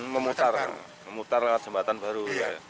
memutar memutar jembatan baru